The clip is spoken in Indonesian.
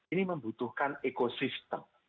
ini membutuhkan ekosistem